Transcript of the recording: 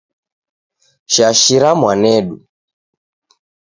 Shashira mwanedu.